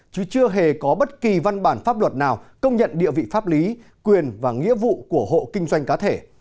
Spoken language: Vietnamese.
chứ chưa hề có bất kỳ văn bản pháp luật nào công nhận địa vị pháp lý quyền và nghĩa vụ của hộ kinh doanh cá thể